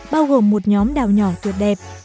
bao gồm một nhóm đảo nhỏ tuyệt đẹp